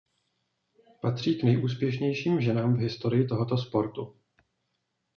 Patří k nejúspěšnějším ženám v historii tohoto sportu.